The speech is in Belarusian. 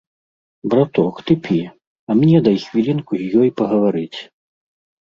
Браток, ты пі, а мне дай хвілінку з ёй пагаварыць.